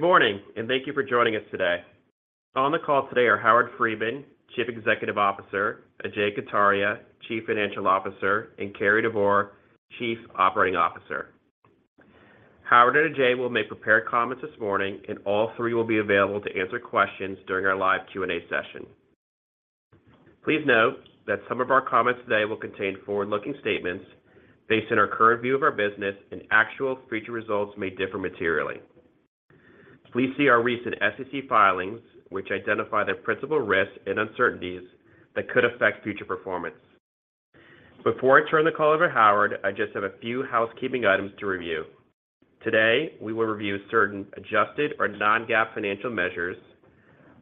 Good morning. Thank you for joining us today. On the call today are Howard Friedman, Chief Executive Officer, Ajay Kataria, Chief Financial Officer, and Cary Devore, Chief Operating Officer. Howard and Ajay will make prepared comments this morning, and all three will be available to answer questions during our live Q&A session. Please note that some of our comments today will contain forward-looking statements based on our current view of our business, and actual future results may differ materially. Please see our recent SEC filings, which identify the principal risks and uncertainties that could affect future performance. Before I turn the call over to Howard, I just have a few housekeeping items to review. Today, we will review certain adjusted or non-GAAP financial measures,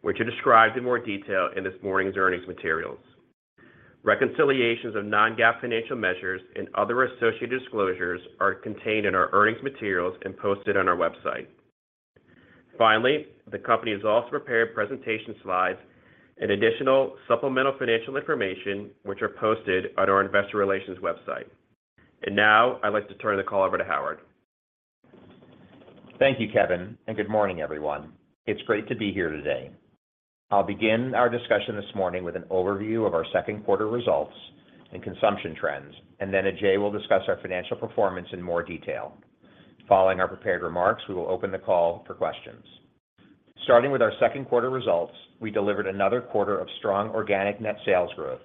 which are described in more detail in this morning's earnings materials. Reconciliations of non-GAAP financial measures and other associated disclosures are contained in our earnings materials and posted on our website. Finally, the company has also prepared presentation slides and additional supplemental financial information, which are posted on our investor relations website. Now, I'd like to turn the call over to Howard. Thank you, Kevin. Good morning, everyone. It's great to be here today. I'll begin our discussion this morning with an overview of our second quarter results and consumption trends. Then Ajay will discuss our financial performance in more detail. Following our prepared remarks, we will open the call for questions. Starting with our second quarter results, we delivered another quarter of strong organic net sales growth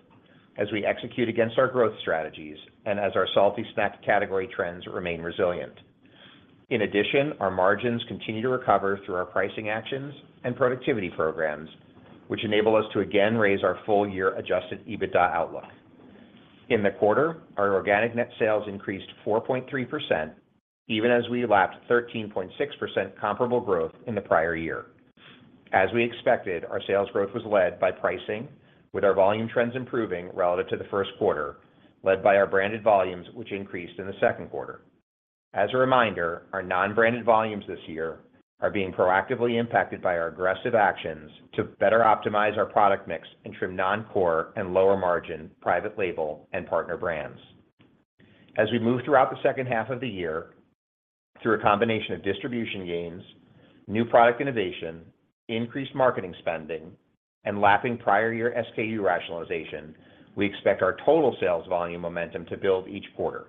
as we execute against our growth strategies and as our salty snack category trends remain resilient. In addition, our margins continue to recover through our pricing actions and productivity programs, which enable us to again raise our full-year adjusted EBITDA outlook. In the quarter, our organic net sales increased 4.3%, even as we lapped 13.6% comparable growth in the prior year. As we expected, our sales growth was led by pricing, with our volume trends improving relative to the first quarter, led by our branded volumes, which increased in the second quarter. As a reminder, our non-branded volumes this year are being proactively impacted by our aggressive actions to better optimize our product mix and trim non-core and lower-margin private label and partner brands. As we move throughout the second half of the year, through a combination of distribution gains, new product innovation, increased marketing spending, and lapping prior year SKU rationalization, we expect our total sales volume momentum to build each quarter.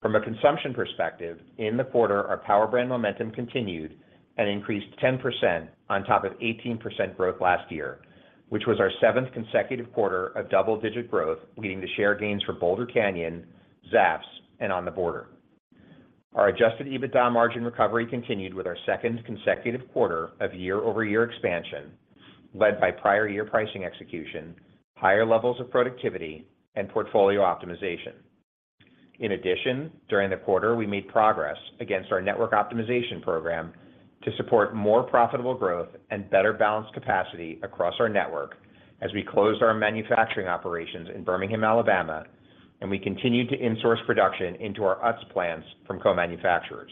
From a consumption perspective, in the quarter, our Power Brand momentum continued and increased 10% on top of 18% growth last year, which was our seventh consecutive quarter of double-digit growth, leading to share gains for Boulder Canyon, Zapp's, and On the Border. Our adjusted EBITDA margin recovery continued with our second consecutive quarter of year-over-year expansion, led by prior year pricing execution, higher levels of productivity, and portfolio optimization. During the quarter, we made progress against our network optimization program to support more profitable growth and better balanced capacity across our network as we closed our manufacturing operations in Birmingham, Alabama, and we continued to insource production into our Utz plants from co-manufacturers.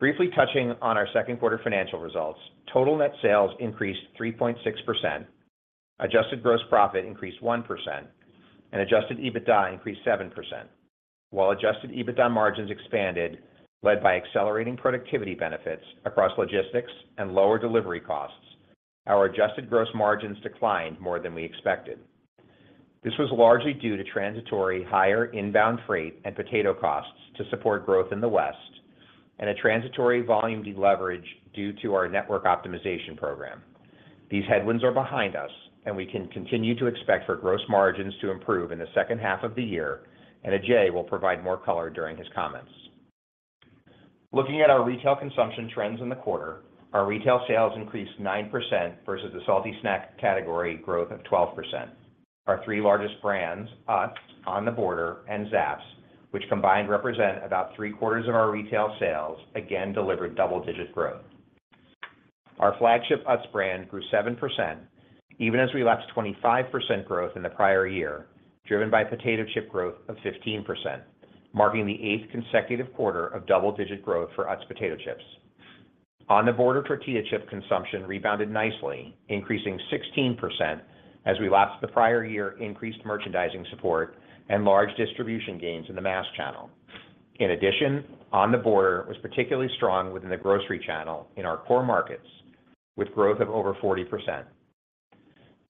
Briefly touching on our second quarter financial results, total net sales increased 3.6%, adjusted gross profit increased 1%, and adjusted EBITDA increased 7%. While adjusted EBITDA margins expanded, led by accelerating productivity benefits across logistics and lower delivery costs, our adjusted gross margins declined more than we expected. This was largely due to transitory higher inbound freight and potato costs to support growth in the West, and a transitory volume deleverage due to our network optimization program. These headwinds are behind us, and we can continue to expect for gross margins to improve in the second half of the year, and Ajay will provide more color during his comments. Looking at our retail consumption trends in the quarter, our retail sales increased 9% versus the salty snack category growth of 12%. Our three largest brands, Utz, On the Border, and Zapp's, which combined represent about three-quarters of our retail sales, again delivered double-digit growth. Our flagship Utz brand grew 7%, even as we lapped 25% growth in the prior year, driven by potato chip growth of 15%, marking the 8th consecutive quarter of double-digit growth for Utz potato chips. On the Border tortilla chip consumption rebounded nicely, increasing 16% as we lapped the prior year, increased merchandising support and large distribution gains in the mass channel. In addition, On the Border was particularly strong within the grocery channel in our core markets, with growth of over 40%.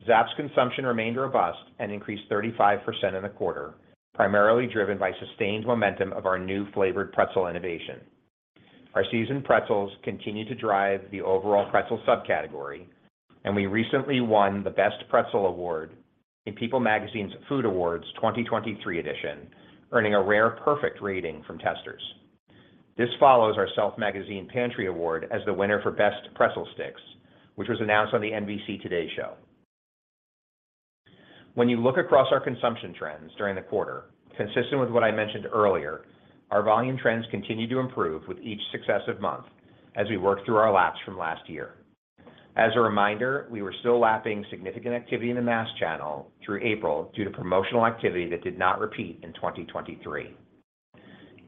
Zapps consumption remained robust and increased 35% in the quarter, primarily driven by sustained momentum of our new flavored pretzel innovation. Our seasoned pretzels continue to drive the overall pretzel subcategory, and we recently won the Best Pretzel award in People Magazine's Food Awards 2023 edition, earning a rare perfect rating from testers. This follows our SELF Magazine Pantry Award as the winner for Best Pretzel Sticks, which was announced on the NBC Today Show. When you look across our consumption trends during the quarter, consistent with what I mentioned earlier, our volume trends continue to improve with each successive month as we work through our laps from last year. As a reminder, we were still lapping significant activity in the mass channel through April due to promotional activity that did not repeat in 2023.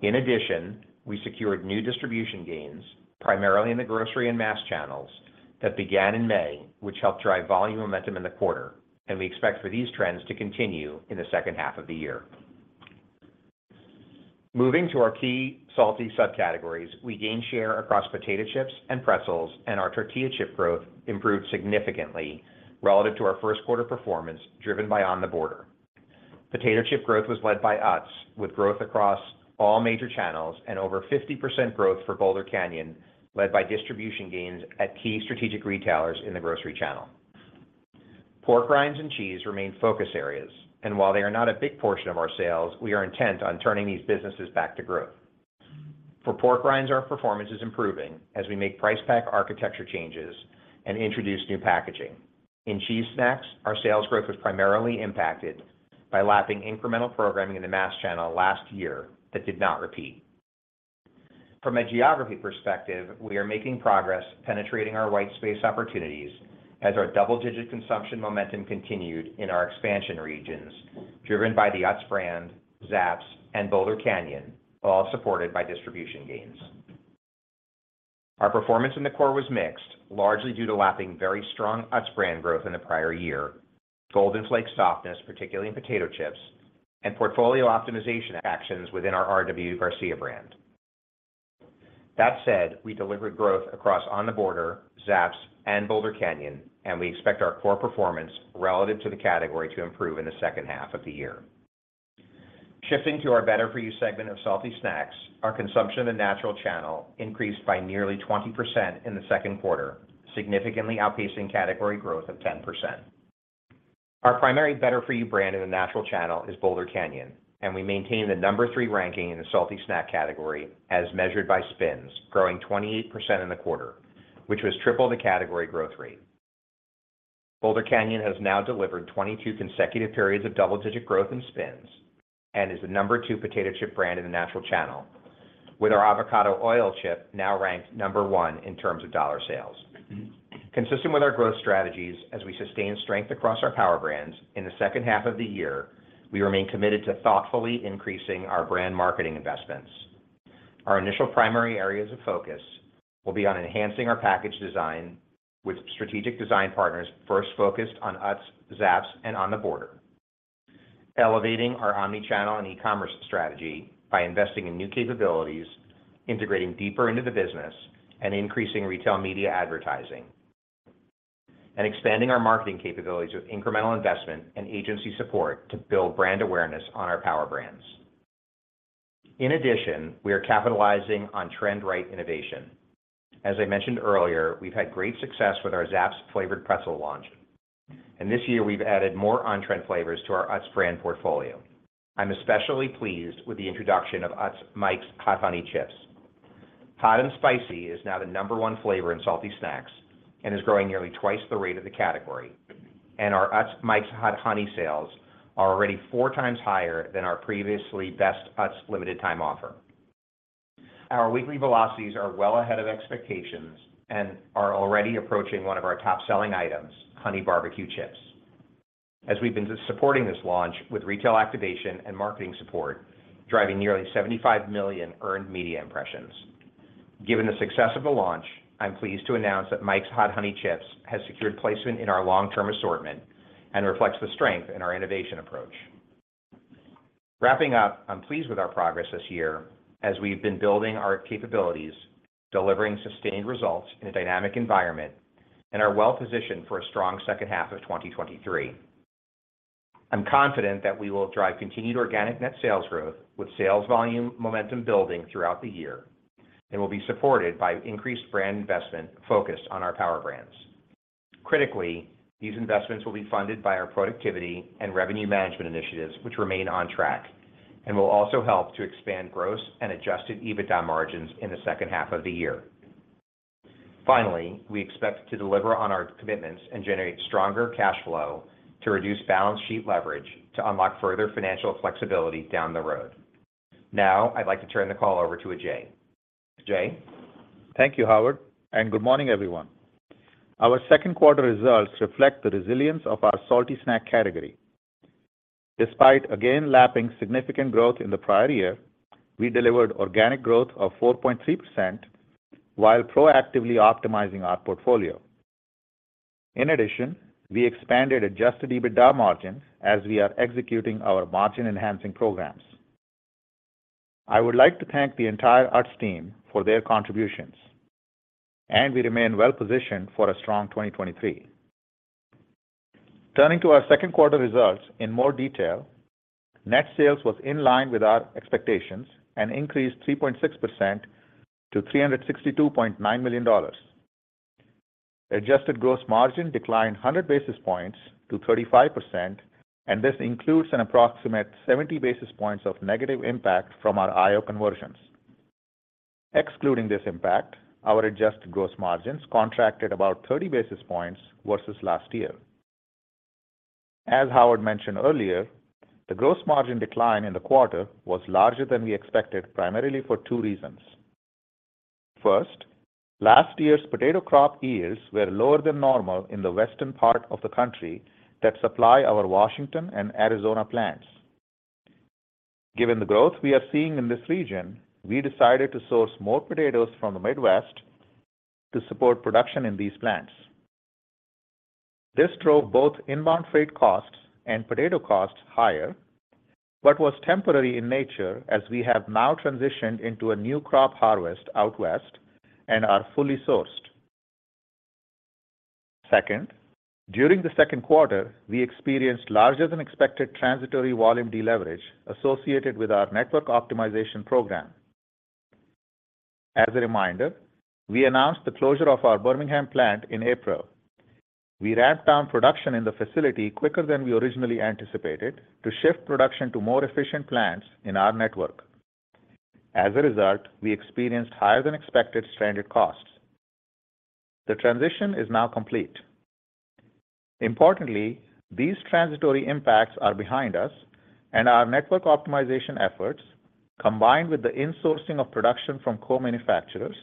In addition, we secured new distribution gains, primarily in the grocery and mass channels, that began in May, which helped drive volume momentum in the quarter, and we expect for these trends to continue in the second half of the year. Moving to our key salty subcategories, we gained share across potato chips and pretzels, and our tortilla chip growth improved significantly relative to our first quarter performance, driven by On the Border. Potato chip growth was led by Utz, with growth across all major channels and over 50% growth for Boulder Canyon, led by distribution gains at key strategic retailers in the grocery channel. Pork rinds and cheese remain focus areas, and while they are not a big portion of our sales, we are intent on turning these businesses back to growth. For pork rinds, our performance is improving as we make Price Pack Architecture changes and introduce new packaging. In cheese snacks, our sales growth was primarily impacted by lapping incremental programming in the mass channel last year that did not repeat. From a geography perspective, we are making progress penetrating our white space opportunities as our double-digit consumption momentum continued in our expansion regions, driven by the Utz brand, Zapp's, and Boulder Canyon, all supported by distribution gains. Our performance in the core was mixed, largely due to lapping very strong Utz growth in the prior year, Golden Flake softness, particularly in potato chips, and portfolio optimization actions within our RW Garcia brand. That said, we delivered growth across On the Border, Zapp's, and Boulder Canyon, and we expect our core performance relative to the category to improve in the second half of the year. Shifting to our better-for-you segment of salty snacks, our consumption in the natural channel increased by nearly 20% in the second quarter, significantly outpacing category growth of 10%. Our primary better-for-you brand in the natural channel is Boulder Canyon, and we maintain the number three ranking in the salty snack category as measured by SPINS, growing 28% in the quarter, which was triple the category growth rate. Boulder Canyon has now delivered 22 consecutive periods of double-digit growth in SPINS and is the number two potato chip brand in the natural channel, with our avocado oil chip now ranked number one in terms of dollar sales. Consistent with our growth strategies, as we sustain strength across our Power Brands in the second half of the year, we remain committed to thoughtfully increasing our brand marketing investments. Our initial primary areas of focus will be on enhancing our package design with strategic design partners first focused on Utz, Zapp's, and On the Border. Elevating our omni-channel and e-commerce strategy by investing in new capabilities, integrating deeper into the business, and increasing retail media advertising, expanding our marketing capabilities with incremental investment and agency support to build brand awareness on our Power Brands. In addition, we are capitalizing on trend right innovation. As I mentioned earlier, we've had great success with our Zapp's flavored pretzel launch. This year we've added more on-trend flavors to our Utz brand portfolio. I'm especially pleased with the introduction of Utz Mike's Hot Honey chips. Hot and spicy is now the number one flavor in salty snacks and is growing nearly twice the rate of the category. Our Utz Mike's Hot Honey sales are already 4x higher than our previously best Utz limited time offer. Our weekly velocities are well ahead of expectations and are already approaching one of our top-selling items, Honey Barbeque chips, as we've been supporting this launch with retail activation and marketing support, driving nearly 75 million earned media impressions. Given the success of the launch, I'm pleased to announce that Mike's Hot Honey chips has secured placement in our long-term assortment and reflects the strength in our innovation approach. Wrapping up, I'm pleased with our progress this year as we've been building our capabilities, delivering sustained results in a dynamic environment, and are well positioned for a strong second half of 2023. I'm confident that we will drive continued organic net sales growth, with sales volume momentum building throughout the year, and will be supported by increased brand investment focused on our Power Brands. Critically, these investments will be funded by our productivity and revenue management initiatives, which remain on track and will also help to expand gross and adjusted EBITDA margins in the second half of the year. Finally, we expect to deliver on our commitments and generate stronger cash flow to reduce balance sheet leverage to unlock further financial flexibility down the road. Now, I'd like to turn the call over to Ajay. Ajay? Thank you, Howard, and good morning, everyone. Our second quarter results reflect the resilience of our salty snack category. Despite again lapping significant growth in the prior year, we delivered organic growth of 4.3%, while proactively optimizing our portfolio. In addition, we expanded adjusted EBITDA margins as we are executing our margin-enhancing programs. I would like to thank the entire Utz team for their contributions, and we remain well positioned for a strong 2023. Turning to our second quarter results in more detail. Net sales was in line with our expectations and increased 3.6% to $362.9 million. Adjusted gross margin declined 100 basis points to 35%, and this includes an approximate 70 basis points of negative impact from our IO conversions. Excluding this impact, our adjusted gross margins contracted about 30 basis points versus last year. As Howard mentioned earlier, the gross margin decline in the quarter was larger than we expected, primarily for two reasons. First, last year's potato crop yields were lower than normal in the western part of the country that supply our Washington and Arizona plants. Given the growth we are seeing in this region, we decided to source more potatoes from the Midwest to support production in these plants. This drove both inbound freight costs and potato costs higher, but was temporary in nature, as we have now transitioned into a new crop harvest out west and are fully sourced. Second, during the second quarter, we experienced larger-than-expected transitory volume deleverage associated with our network optimization program. As a reminder, we announced the closure of our Birmingham plant in April. We ramped down production in the facility quicker than we originally anticipated to shift production to more efficient plants in our network. As a result, we experienced higher-than-expected stranded costs. The transition is now complete. Importantly, these transitory impacts are behind us, and our network optimization efforts, combined with the insourcing of production from co-manufacturers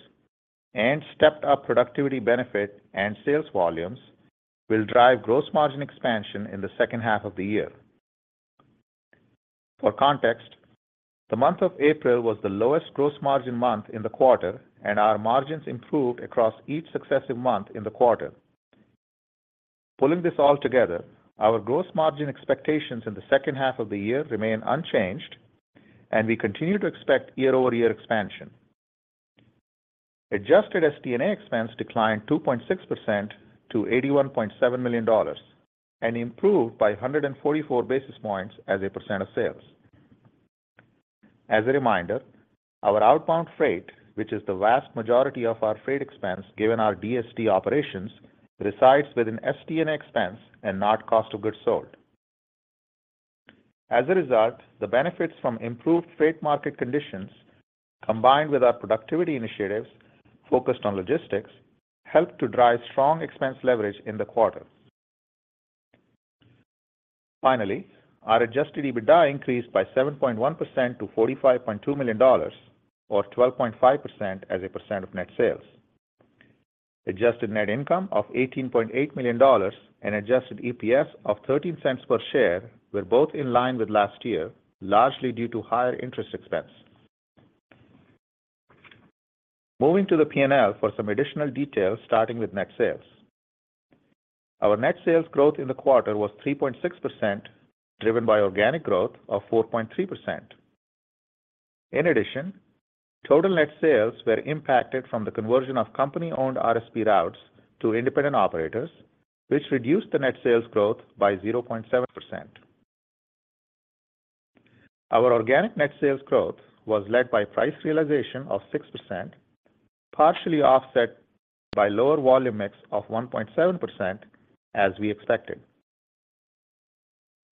and stepped up productivity benefit and sales volumes, will drive gross margin expansion in the second half of the year. For context, the month of April was the lowest gross margin month in the quarter, and our margins improved across each successive month in the quarter. Pulling this all together, our gross margin expectations in the second half of the year remain unchanged, and we continue to expect year-over-year expansion. Adjusted SD&A expense declined 2.6% to $81.7 million and improved by 144 basis points as a percent of sales. As a reminder, our outbound freight, which is the vast majority of our freight expense, given our DSD operations, resides within SD&A expense and not cost of goods sold. As a result, the benefits from improved freight market conditions, combined with our productivity initiatives focused on logistics, helped to drive strong expense leverage in the quarter. Finally, our adjusted EBITDA increased by 7.1% to $45.2 million or 12.5% as a percent of net sales. Adjusted net income of $18.8 million and adjusted EPS of $0.13 per share were both in line with last year, largely due to higher interest expense. Moving to the P&L for some additional details, starting with net sales. Our net sales growth in the quarter was 3.6%, driven by organic growth of 4.3%. In addition, total net sales were impacted from the conversion of company-owned RSP routes to independent operators, which reduced the net sales growth by 0.7%. Our organic net sales growth was led by price realization of 6%, partially offset by lower volume mix of 1.7%, as we expected.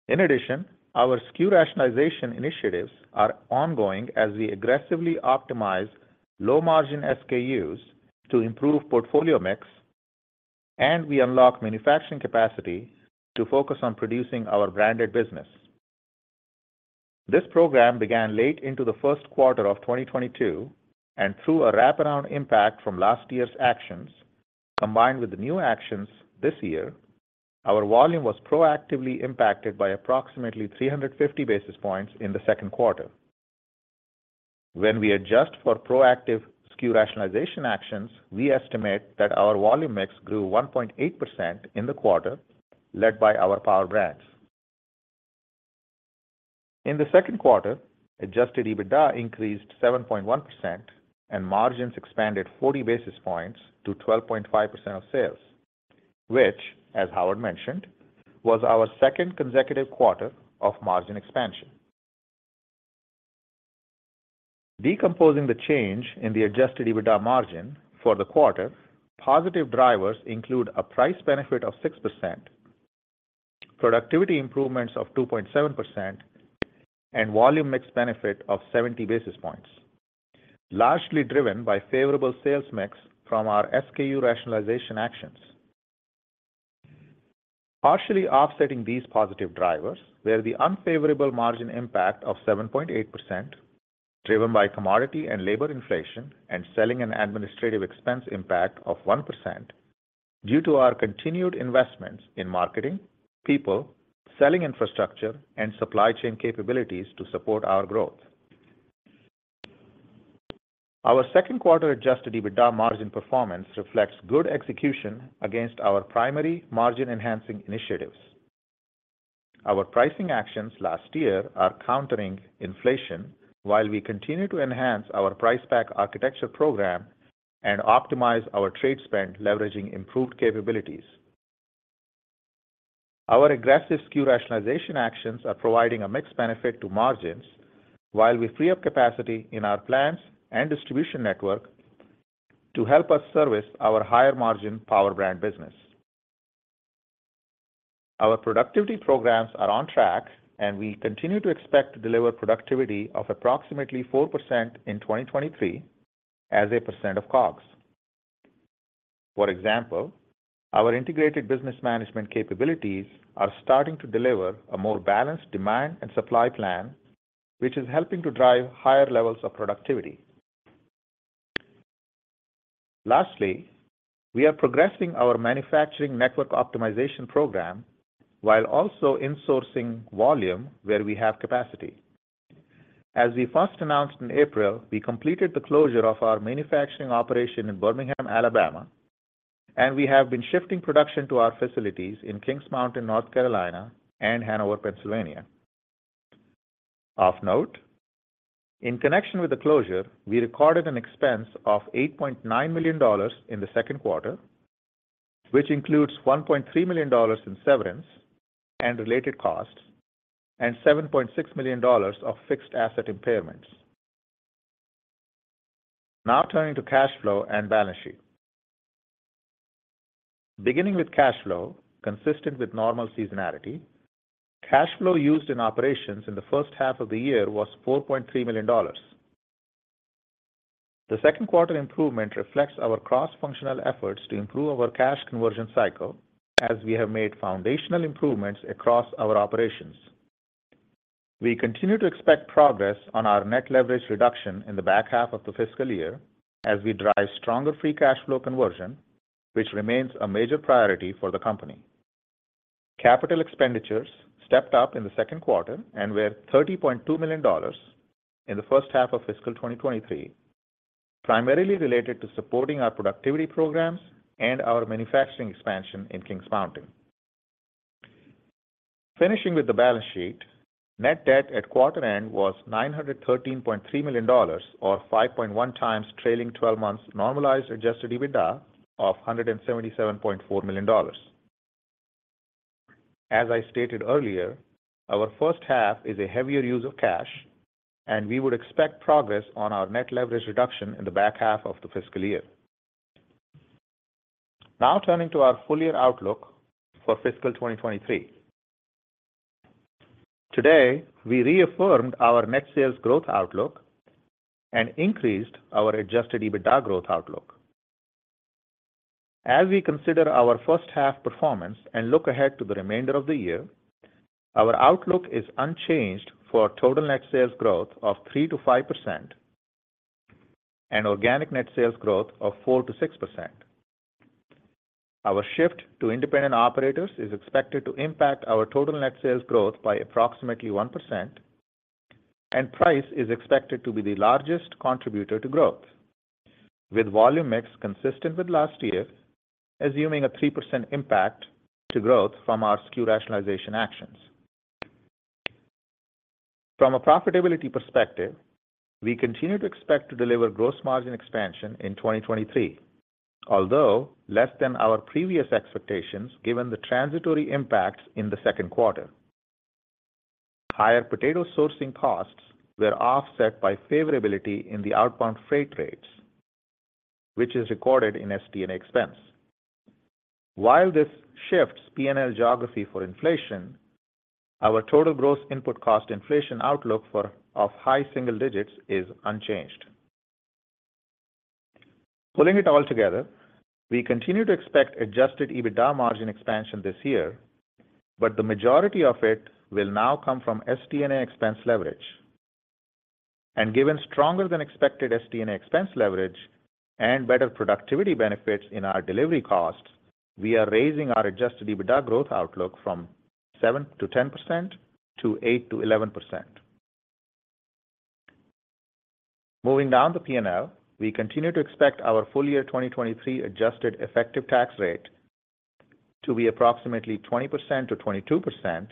In addition, our SKU rationalization initiatives are ongoing as we aggressively optimize low-margin SKUs to improve portfolio mix, and we unlock manufacturing capacity to focus on producing our branded business. This program began late into the 1st quarter of 2022, and through a wraparound impact from last year's actions, combined with the new actions this year, our volume was proactively impacted by approximately 350 basis points in the second quarter. When we adjust for proactive SKU rationalization actions, we estimate that our volume mix grew 1.8% in the quarter, led by our Power Brands. In the second quarter, adjusted EBITDA increased 7.1% and margins expanded 40 basis points to 12.5% of sales, which, as Howard mentioned, was our second consecutive quarter of margin expansion. Decomposing the change in the adjusted EBITDA margin for the quarter, positive drivers include a price benefit of 6%, productivity improvements of 2.7%, and volume mix benefit of 70 basis points, largely driven by favorable sales mix from our SKU rationalization actions. Partially offsetting these positive drivers were the unfavorable margin impact of 7.8%, driven by commodity and labor inflation, and selling an administrative expense impact of 1% due to our continued investments in marketing, people, selling infrastructure, and supply chain capabilities to support our growth. Our second quarter adjusted EBITDA margin performance reflects good execution against our primary margin-enhancing initiatives. Our pricing actions last year are countering inflation while we continue to enhance our Price Pack Architecture program and optimize our trade spend, leveraging improved capabilities. Our aggressive SKU rationalization actions are providing a mixed benefit to margins, while we free up capacity in our plants and distribution network to help us service our higher-margin Power Brand business. Our productivity programs are on track. We continue to expect to deliver productivity of approximately 4% in 2023 as a percent of COGS. For example, our integrated business management capabilities are starting to deliver a more balanced demand and supply plan, which is helping to drive higher levels of productivity. Lastly, we are progressing our manufacturing network optimization program while also insourcing volume where we have capacity. As we first announced in April, we completed the closure of our manufacturing operation in Birmingham, Alabama. We have been shifting production to our facilities in Kings Mountain, North Carolina, and Hanover, Pennsylvania. Of note, in connection with the closure, we recorded an expense of $8.9 million in the second quarter, which includes $1.3 million in severance and related costs, and $7.6 million of fixed asset impairments. Turning to cash flow and balance sheet. Beginning with cash flow, consistent with normal seasonality, cash flow used in operations in the first half of the year was $4.3 million. The second quarter improvement reflects our cross-functional efforts to improve our cash conversion cycle, as we have made foundational improvements across our operations. We continue to expect progress on our net leverage reduction in the back half of the fiscal year as we drive stronger free cash flow conversion, which remains a major priority for the company. Capital expenditures stepped up in the second quarter and were $30.2 million in the first half of fiscal 2023, primarily related to supporting our productivity programs and our manufacturing expansion in Kings Mountain. Finishing with the balance sheet, net debt at quarter end was $913.3 million, or 5.1x trailing twelve months normalized adjusted EBITDA of $177.4 million. As I stated earlier, our first half is a heavier use of cash, and we would expect progress on our net leverage reduction in the back half of the fiscal year. Now turning to our full year outlook for fiscal 2023. Today, we reaffirmed our net sales growth outlook and increased our adjusted EBITDA growth outlook. As we consider our first half performance and look ahead to the remainder of the year, our outlook is unchanged for total net sales growth of 3%-5% and organic net sales growth of 4%-6%. Our shift to independent operators is expected to impact our total net sales growth by approximately 1%. Price is expected to be the largest contributor to growth, with volume mix consistent with last year, assuming a 3% impact to growth from our SKU rationalization actions. From a profitability perspective, we continue to expect to deliver gross margin expansion in 2023, although less than our previous expectations, given the transitory impacts in the second quarter. Higher potato sourcing costs were offset by favorability in the outbound freight rates, which is recorded in SD&A expense. While this shifts P&L geography for inflation, our total gross input cost inflation outlook for high single digits is unchanged. Pulling it all together, we continue to expect adjusted EBITDA margin expansion this year, but the majority of it will now come from SD&A expense leverage. Given stronger than expected SD&A expense leverage and better productivity benefits in our delivery costs, we are raising our adjusted EBITDA growth outlook from 7%-10% to 8%-11%. Moving down the P&L, we continue to expect our full year 2023 adjusted effective tax rate to be approximately 20%-22%,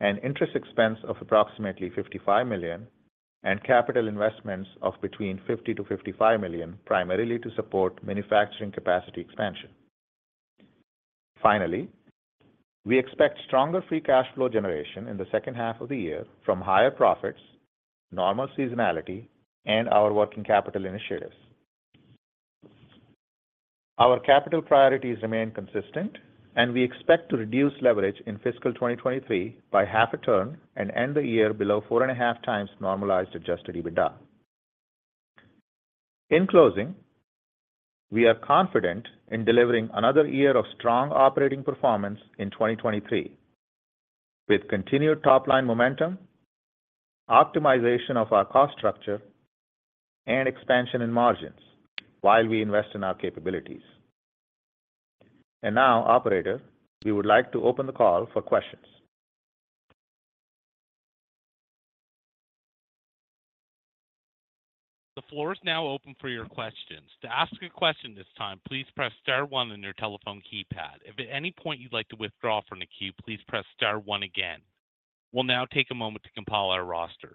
and interest expense of approximately $55 million, and capital investments of between $50 million-$55 million, primarily to support manufacturing capacity expansion. Finally, we expect stronger free cash flow generation in the second half of the year from higher profits, normal seasonality, and our working capital initiatives. Our capital priorities remain consistent, and we expect to reduce leverage in fiscal 2023 by 0.5 turn and end the year below 4.5x normalized adjusted EBITDA. In closing, we are confident in delivering another year of strong operating performance in 2023, with continued top-line momentum, optimization of our cost structure, and expansion in margins while we invest in our capabilities. Now, operator, we would like to open the call for questions. The floor is now open for your questions. To ask a question this time, please press star one on your telephone keypad. If at any point you'd like to withdraw from the queue, please press star one again. We'll now take a moment to compile our roster.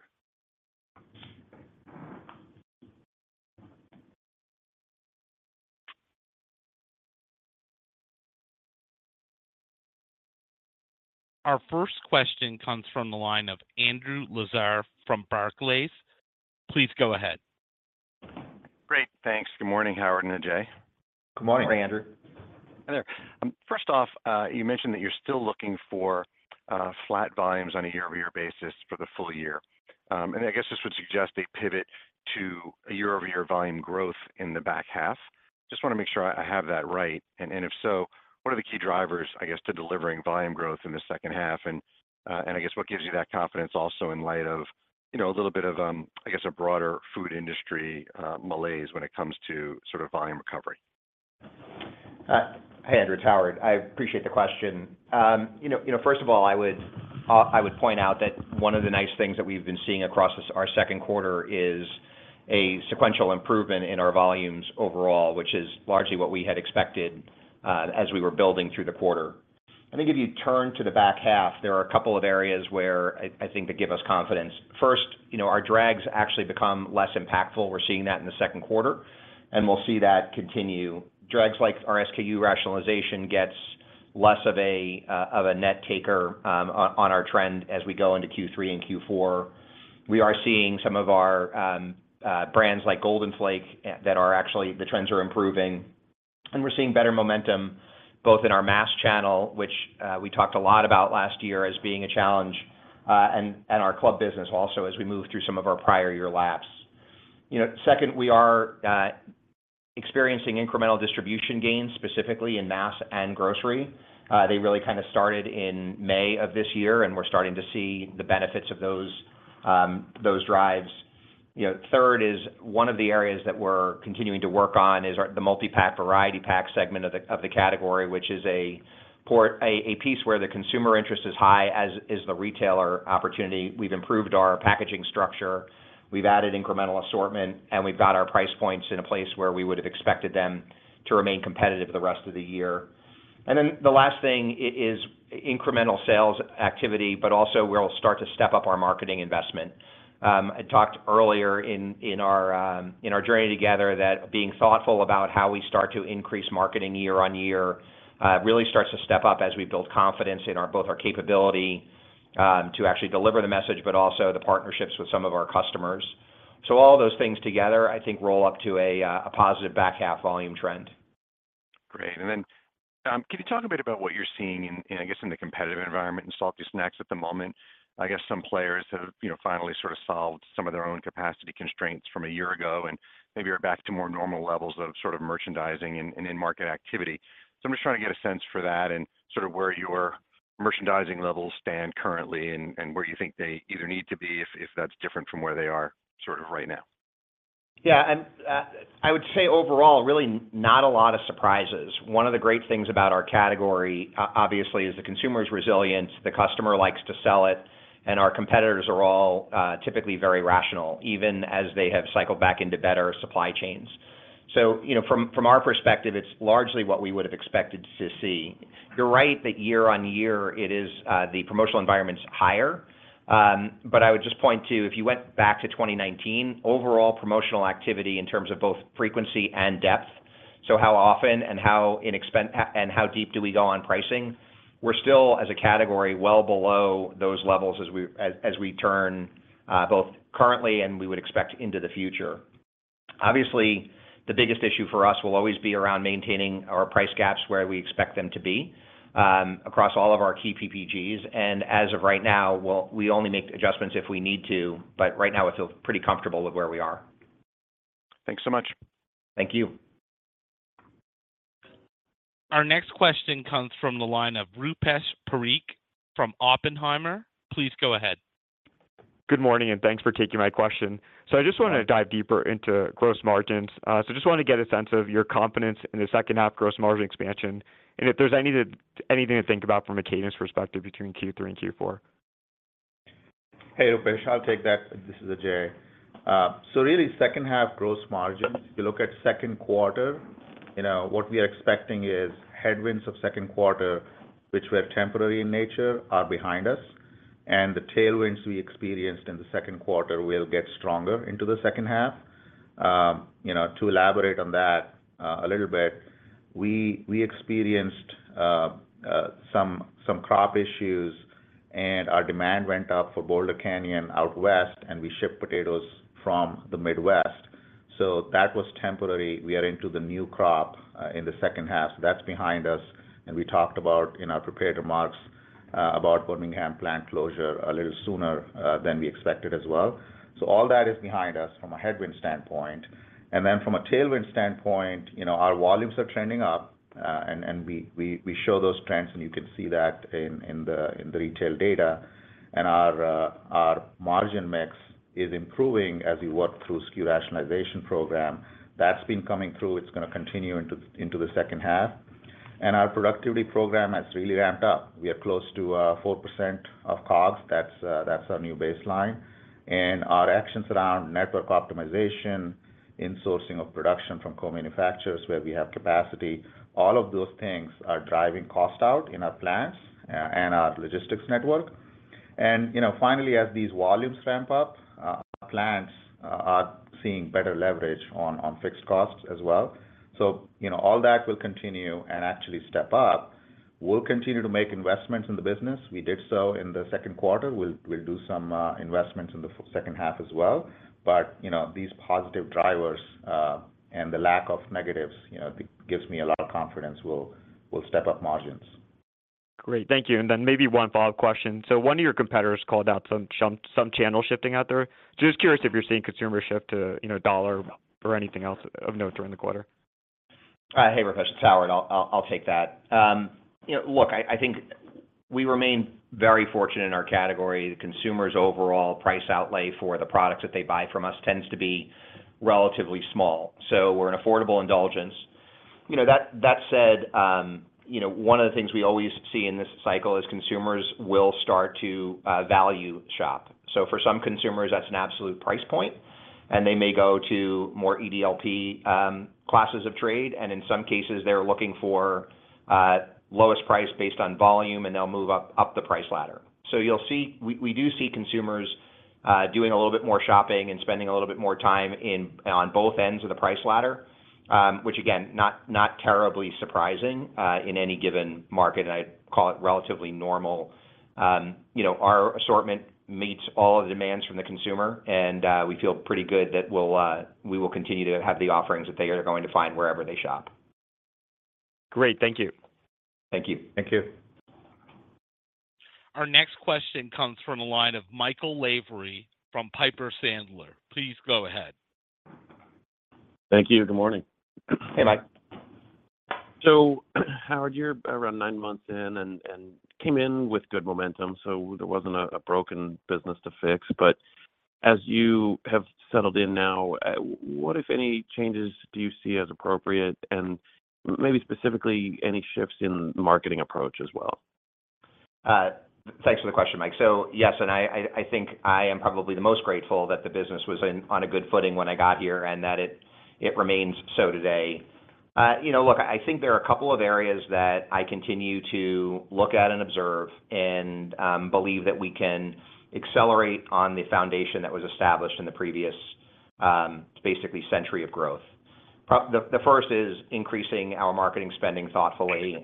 Our first question comes from the line of Andrew Lazar from Barclays. Please go ahead. Great. Thanks. Good morning, Howard and Ajay. Good morning, Andrew. Hi, there. First off, you mentioned that you're still looking for flat volumes on a year-over-year basis for the full year. I guess this would suggest a pivot to a year-over-year volume growth in the back half. Just want to make sure I, I have that right. If so, what are the key drivers, I guess, to delivering volume growth in the second half? And I guess what gives you that confidence also in light of, you know, a little bit of, I guess, a broader food industry malaise when it comes to sort of volume recovery?... Hey, Andrew, it's Howard. I appreciate the question. you know, you know, first of all, I would, I would point out that one of the nice things that we've been seeing across this-- our second quarter is a sequential improvement in our volumes overall, which is largely what we had expected, as we were building through the quarter. I think if you turn to the back half, there are a couple of areas where I, I think that give us confidence. First, you know, our drags actually become less impactful. We're seeing that in the second quarter, and we'll see that continue. Drags like our SKU rationalization gets less of a, of a net taker, on, on our trend as we go into Q3 and Q4. We are seeing some of our brands like Golden Flake that are actually the trends are improving, and we're seeing better momentum, both in our mass channel, which we talked a lot about last year as being a challenge, and our club business also, as we move through some of our prior year laps. You know, second, we are experiencing incremental distribution gains, specifically in mass and grocery. They really kind of started in May of this year, and we're starting to see the benefits of those those drives. You know, third is one of the areas that we're continuing to work on is the multipack, variety pack segment of the category, which is a piece where the consumer interest is high, as is the retailer opportunity. We've improved our packaging structure, we've added incremental assortment, and we've got our price points in a place where we would have expected them to remain competitive for the rest of the year. Then the last thing is incremental sales activity, but also we'll start to step up our marketing investment. I talked earlier in, in our, in our journey together that being thoughtful about how we start to increase marketing year on year, really starts to step up as we build confidence in our both our capability, to actually deliver the message, but also the partnerships with some of our customers. All those things together, I think, roll up to a positive back half volume trend. Great. Then, can you talk a bit about what you're seeing in, in, I guess, in the competitive environment in salty snacks at the moment? I guess some players have, you know, finally sort of solved some of their own capacity constraints from a year ago and maybe are back to more normal levels of sort of merchandising and, and in-market activity. I'm just trying to get a sense for that and sort of where your merchandising levels stand currently and, and where you think they either need to be, if, if that's different from where they are sort of right now. Yeah, I would say overall, really not a lot of surprises. One of the great things about our category, obviously, is the consumer's resilience, the customer likes to sell it, and our competitors are all, typically very rational, even as they have cycled back into better supply chains. You know, from, from our perspective, it's largely what we would have expected to see. You're right that year-over-year, it is, the promotional environment's higher. I would just point to, if you went back to 2019, overall promotional activity in terms of both frequency and depth, so how often and and how deep do we go on pricing, we're still, as a category, well below those levels as we, as, as we turn, both currently and we would expect into the future. Obviously, the biggest issue for us will always be around maintaining our price gaps where we expect them to be, across all of our key PPGs, and as of right now, we only make adjustments if we need to, but right now, I feel pretty comfortable with where we are. Thanks so much. Thank you. Our next question comes from the line of Rupesh Parikh from Oppenheimer. Please go ahead. Good morning, and thanks for taking my question. I just wanted to dive deeper into gross margins. Just wanted to get a sense of your confidence in the second half gross margin expansion, and if there's anything to think about from a cadence perspective between Q3 and Q4. Hey, Rupesh, I'll take that. This is Ajay. Really, second half gross margins, if you look at second quarter, you know, what we are expecting is headwinds of second quarter, which were temporary in nature, are behind us, and the tailwinds we experienced in the second quarter will get stronger into the second half. You know, to elaborate on that a little bit, we experienced some crop issues, and our demand went up for Boulder Canyon out west, and we shipped potatoes from the Midwest. That was temporary. We are into the new crop in the second half. That's behind us, and we talked about in our prepared remarks about Birmingham plant closure a little sooner than we expected as well. All that is behind us from a headwind standpoint. From a tailwind standpoint, you know, our volumes are trending up, and, and we, we, we show those trends, and you can see that in, in the, in the retail data. Our margin mix is improving as we work through SKU rationalization program. That's been coming through. It's gonna continue into, into the second half. Our productivity program has really ramped up. We are close to 4% of cost. That's our new baseline. Our actions around network optimization, insourcing of production from co-manufacturers where we have capacity, all of those things are driving cost out in our plants and our logistics network. You know, finally, as these volumes ramp up, plants are seeing better leverage on fixed costs as well. You know, all that will continue and actually step up. We'll continue to make investments in the business. We did so in the second quarter. We'll, we'll do some investments in the second half as well. You know, these positive drivers, and the lack of negatives, you know, gives me a lot of confidence we'll, we'll step up margins. Great. Thank you. Then maybe one follow-up question. One of your competitors called out some channel shifting out there. Just curious if you're seeing consumer shift to, you know, dollar or anything else of note during the quarter? Hey, Rupesh, it's Howard. I'll, I'll, I'll take that. You know, look, I, I think- We remain very fortunate in our category. The consumers' overall price outlay for the products that they buy from us tends to be relatively small, so we're an affordable indulgence. You know, that, that said, you know, one of the things we always see in this cycle is consumers will start to value shop. For some consumers, that's an absolute price point, and they may go to more EDLP classes of trade, and in some cases, they're looking for lowest price based on volume, and they'll move up, up the price ladder. You'll see, we, we do see consumers doing a little bit more shopping and spending a little bit more time on both ends of the price ladder, which again, not terribly surprising in any given market, and I'd call it relatively normal. You know, our assortment meets all the demands from the consumer, and we feel pretty good that we'll, we will continue to have the offerings that they are going to find wherever they shop. Great. Thank you. Thank you. Thank you. Our next question comes from the line of Michael Lavery from Piper Sandler. Please go ahead. Thank you. Good morning. Hey, Mike. Howard, you're around nine months in and came in with good momentum, so there wasn't a broken business to fix. As you have settled in now, what, if any, changes do you see as appropriate? Maybe specifically, any shifts in marketing approach as well. Thanks for the question, Mike. Yes, and I, I, I think I am probably the most grateful that the business was on a good footing when I got here, and that it remains so today. You know, look, I think there are a couple of areas that I continue to look at and observe, and believe that we can accelerate on the foundation that was established in the previous, basically, century of growth. The first is increasing our marketing spending thoughtfully.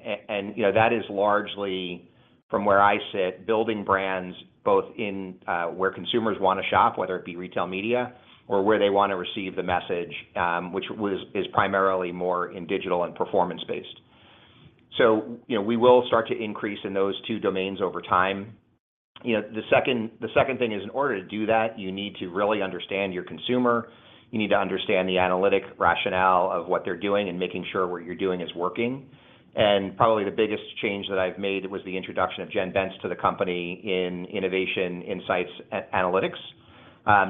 You know, that is largely, from where I sit, building brands both in where consumers want to shop, whether it be retail media or where they want to receive the message, which is primarily more in digital and performance-based. You know, we will start to increase in those two domains over time. You know, the second, the second thing is, in order to do that, you need to really understand your consumer. You need to understand the analytic rationale of what they're doing and making sure what you're doing is working. Probably the biggest change that I've made was the introduction of Jennifer Bentz to the company in innovation, insights, and analytics.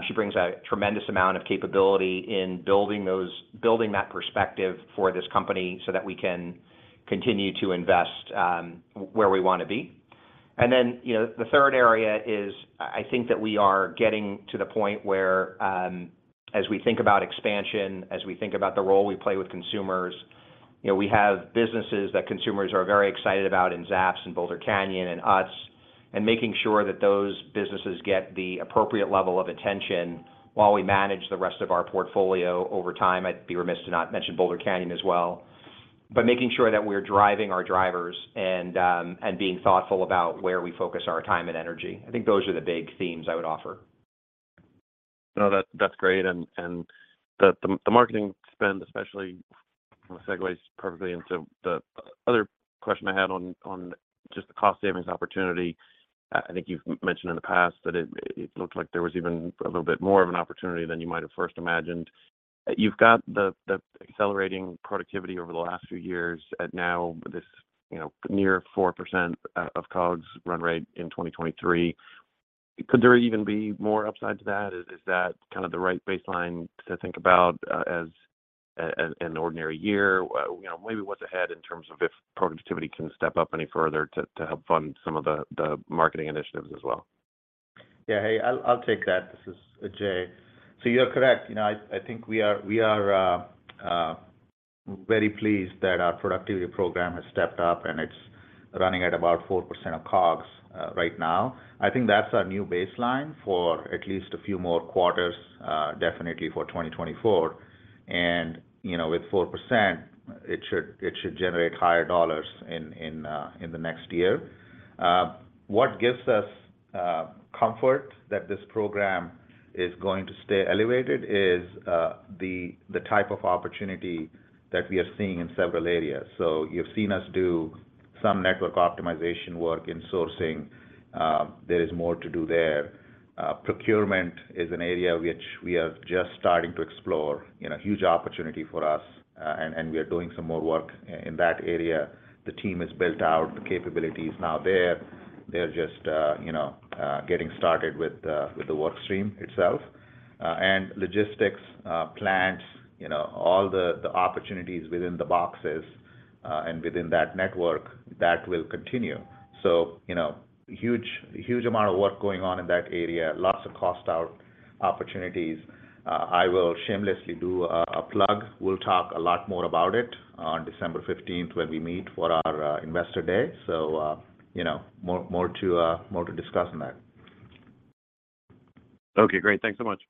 She brings a tremendous amount of capability in building that perspective for this company so that we can continue to invest where we want to be. You know, the third area is, I, I think that we are getting to the point where, as we think about expansion, as we think about the role we play with consumers, you know, we have businesses that consumers are very excited about in Zapp's and Boulder Canyon and Utz, and making sure that those businesses get the appropriate level of attention while we manage the rest of our portfolio over time. I'd be remiss to not mention Boulder Canyon as well, but making sure that we're driving our drivers and, and being thoughtful about where we focus our time and energy. I think those are the big themes I would offer. No, that's, that's great. And, and the, the marketing spend, especially, segues perfectly into the other question I had on, on just the cost savings opportunity. I think you've mentioned in the past that it, it looked like there was even a little bit more of an opportunity than you might have first imagined. You've got the, the accelerating productivity over the last few years, and now this, you know, near 4% of COGS run rate in 2023. Could there even be more upside to that? Is, is that kind of the right baseline to think about as a, an ordinary year? You know, maybe what's ahead in terms of if productivity can step up any further to, to help fund some of the, the marketing initiatives as well? Yeah. Hey, I'll, I'll take that. This is Ajay. You're correct. You know, I, I think we are, we are very pleased that our productivity program has stepped up, and it's running at about 4% of COGS right now. I think that's our new baseline for at least a few more quarters, definitely for 2024. And, you know, with 4%, it should, it should generate higher dollars in the next year. What gives us comfort that this program is going to stay elevated is the type of opportunity that we are seeing in several areas. You've seen us do some network optimization work in sourcing. There is more to do there. Procurement is an area which we are just starting to explore, you know, huge opportunity for us, and we are doing some more work in that area. The team is built out, the capability is now there. They're just, you know, getting started with the work stream itself. Logistics, plants, you know, all the opportunities within the boxes, and within that network, that will continue. You know, huge, huge amount of work going on in that area. Lots of cost out opportunities. I will shamelessly do a plug. We'll talk a lot more about it on December 15th, when we meet for our Investor Day. You know, more to discuss on that. Okay, great. Thanks so much.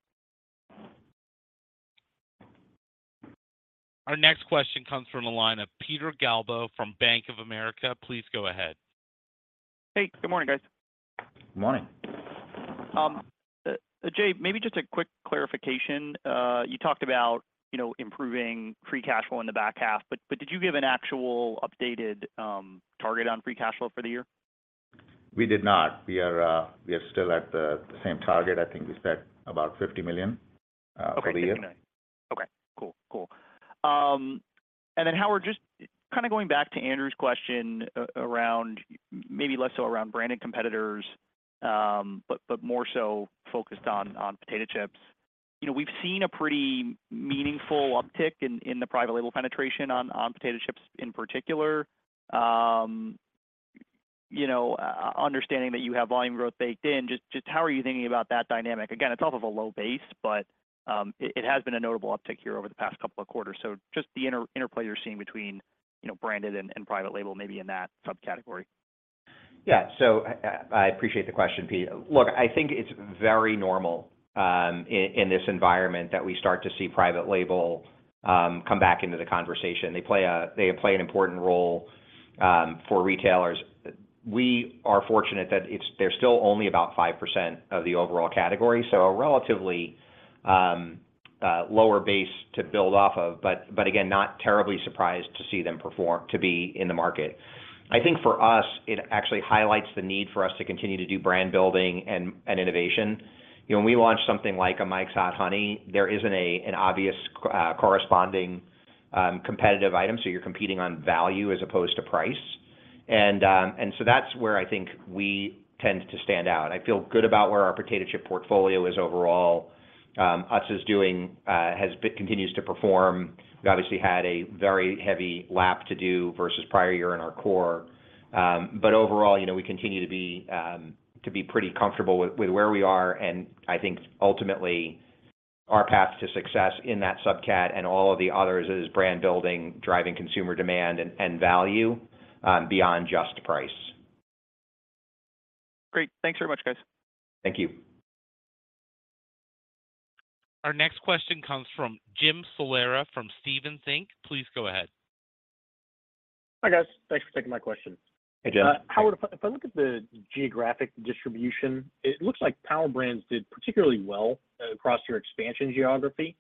Our next question comes from the line of Peter Galbo from Bank of America. Please go ahead. Hey, good morning, guys. Good morning. Ajay, maybe just a quick clarification. You talked about, you know, improving free cash flow in the back half, but did you give an actual updated target on free cash flow for the year? We did not. We are, we are still at the, the same target. I think we said about $50 million for the year.... Okay, cool, cool. Then, Howard, just kind of going back to Andrew's question around, maybe less so around branded competitors, but more so focused on potato chips. You know, we've seen a pretty meaningful uptick in the private label penetration on potato chips in particular. You know, understanding that you have volume growth baked in, just how are you thinking about that dynamic? Again, it's off of a low base, but it has been a notable uptick here over the past couple of quarters. Just the interplay you're seeing between, you know, branded and private label, maybe in that subcategory. Yeah. So I, I, I appreciate the question, Pete. Look, I think it's very normal in this environment that we start to see private label come back into the conversation. They play They play an important role for retailers. We are fortunate that they're still only about 5% of the overall category, so a relatively lower base to build off of, but, but again, not terribly surprised to see them perform, to be in the market. I think for us, it actually highlights the need for us to continue to do brand building and, and innovation. You know, when we launch something like a Mike's Hot Honey, there isn't a an obvious corresponding competitive item, so you're competing on value as opposed to price. That's where I think we tend to stand out. I feel good about where our potato chip portfolio is overall. Utz is doing, continues to perform. We obviously had a very heavy lap to do versus prior year in our core. Overall, you know, we continue to be pretty comfortable with, with where we are, and I think ultimately, our path to success in that subcat and all of the others is brand building, driving consumer demand and, and value, beyond just price. Great. Thanks very much, guys. Thank you. Our next question comes from Jim Salera, from Stephens Inc. Please go ahead. Hi, guys. Thanks for taking my question. Hey, Jim. Howard, if I, if I look at the geographic distribution, it looks like Power Brands did particularly well across your expansion geography.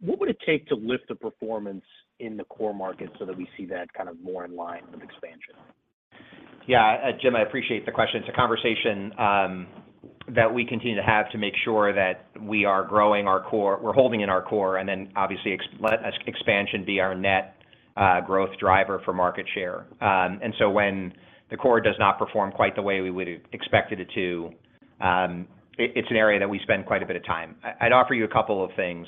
What would it take to lift the performance in the core market so that we see that kind of more in line with expansion? Yeah, Jim, I appreciate the question. It's a conversation that we continue to have to make sure that we are growing our core-- we're holding in our core, ex-let expansion be our net growth driver for market share. When the core does not perform quite the way we would have expected it to, it, it's an area that we spend quite a bit of time. I, I'd offer you a couple of things.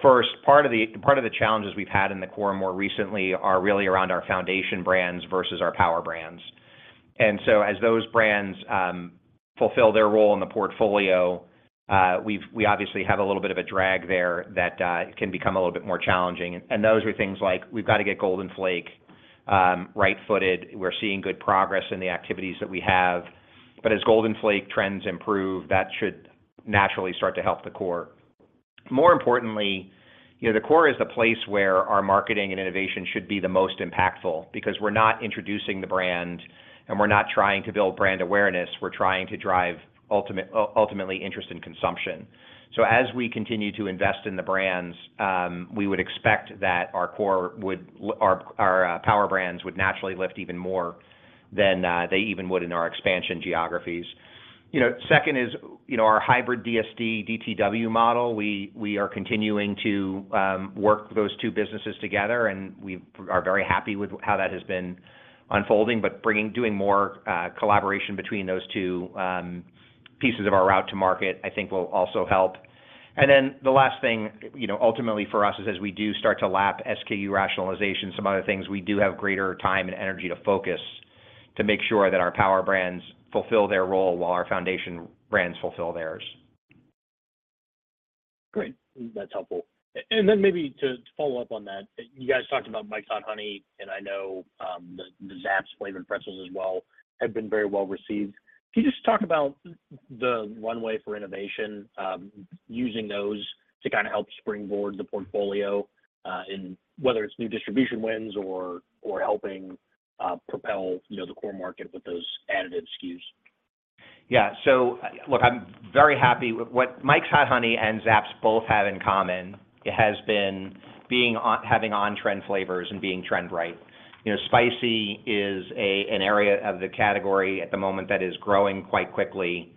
First, part of the, part of the challenges we've had in the core more recently are really around our Foundation Brands versus our Power Brands. As those brands fulfill their role in the portfolio, we've-- we obviously have a little bit of a drag there that can become a little bit more challenging. Those are things like, we've got to get Golden Flake right-footed. We're seeing good progress in the activities that we have, but as Golden Flake trends improve, that should naturally start to help the core. More importantly, you know, the core is the place where our marketing and innovation should be the most impactful because we're not introducing the brand and we're not trying to build brand awareness, we're trying to drive ultimately interest and consumption. As we continue to invest in the brands, we would expect that our core would, our, our Power Brands would naturally lift even more than, they even would in our expansion geographies. You know, second is, you know, our hybrid DSD/DTW model, we, we are continuing to work those two businesses together, and we are very happy with how that has been unfolding. Bringing-- doing more collaboration between those two pieces of our route to market, I think will also help. Then the last thing, you know, ultimately for us is as we do start to lap SKU rationalization, some other things, we do have greater time and energy to focus, to make sure that our Power Brands fulfill their role while our Foundation Brands fulfill theirs. Great. That's helpful. Then maybe to, to follow up on that, you guys talked about Mike's Hot Honey, and I know the Zapp's flavored pretzels as well, have been very well received. Can you just talk about the runway for innovation, using those to kind of help springboard the portfolio, in whether it's new distribution wins or, or helping, you know, propel the core market with those additive SKUs? Yeah. Look, I'm very happy with what Mike's Hot Honey and Zapp's both have in common. It has been having on-trend flavors and being trend right. You know, spicy is an area of the category at the moment that is growing quite quickly.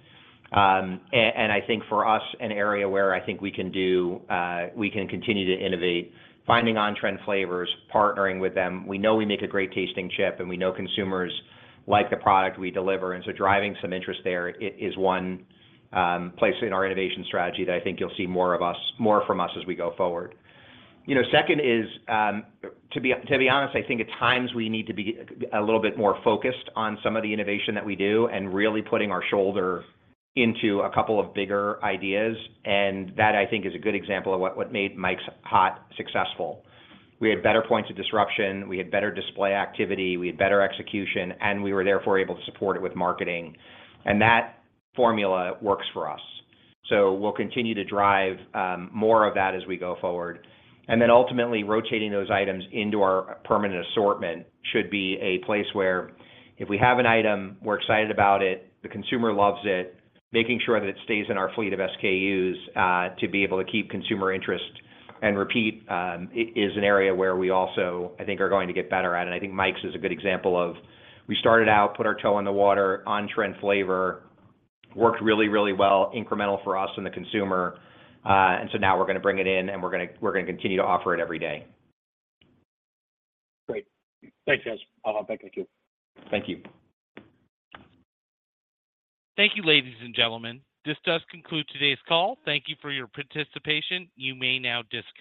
And I think for us, an area where I think we can do, we can continue to innovate, finding on-trend flavors, partnering with them. We know we make a great-tasting chip, and we know consumers like the product we deliver, and so driving some interest there is one place in our innovation strategy that I think you'll see more from us as we go forward. You know, second is, to be, to be honest, I think at times we need to be a little bit more focused on some of the innovation that we do and really putting our shoulder into a couple of bigger ideas, and that, I think, is a good example of what, what made Mike's Hot successful. We had better points of disruption, we had better display activity, we had better execution, and we were therefore able to support it with marketing. That formula works for us. We'll continue to drive, more of that as we go forward. Then ultimately, rotating those items into our permanent assortment should be a place where if we have an item, we're excited about it, the consumer loves it, making sure that it stays in our fleet of SKUs, to be able to keep consumer interest and repeat, is an area where we also, I think, are going to get better at. I think Mike's is a good example of, we started out, put our toe in the water, on-trend flavor, worked really, really well, incremental for us and the consumer. Now we're gonna bring it in, and we're gonna, we're gonna continue to offer it every day. Great. Thanks, guys. Back at you. Thank you. Thank you, ladies and gentlemen. This does conclude today's call. Thank you for your participation. You may now disconnect.